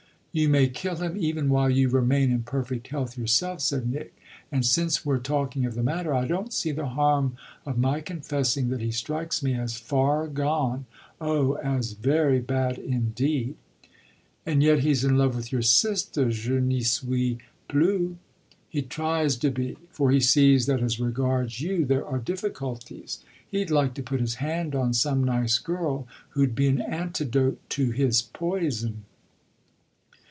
"You may kill him even while you remain in perfect health yourself," said Nick; "and since we're talking of the matter I don't see the harm of my confessing that he strikes me as far gone oh as very bad indeed." "And yet he's in love with your sister? je n'y suis plus." "He tries to be, for he sees that as regards you there are difficulties. He'd like to put his hand on some nice girl who'd be an antidote to his poison."